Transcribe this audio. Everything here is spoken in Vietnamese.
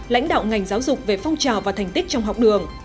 lãnh đạo ngành giáo dục về phong trào và thành tích trong học đường